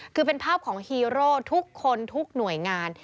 คือเป็นภาพของฮีโร่ทุกคนทุกหน่วยงาน